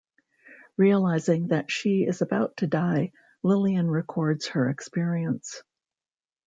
Realizing that she is about to die, Lillian records her experience.